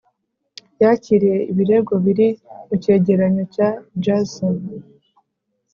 yakiriye ibirego biri mu cyegeranyo cya gersony